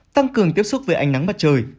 tăng cường tiếp xúc với ánh nắng mặt trời